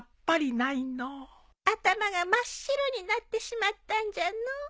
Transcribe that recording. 頭が真っ白になってしまったんじゃのう。